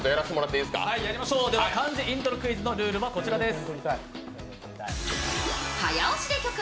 では「漢字イントロクイズ」のルールはこちらです。